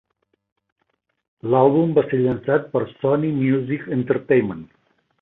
L'àlbum va ser llançat per Sony Music Entertainment.